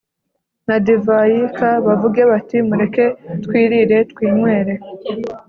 na divayi k bavuge bati mureke twirire twinywere